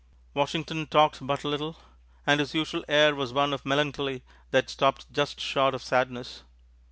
Washington talked but little, and his usual air was one of melancholy that stopped just short of sadness.